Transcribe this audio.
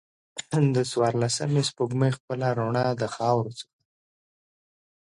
د څوارلسمې سپوږمۍ خپله روڼا د خاورو څخه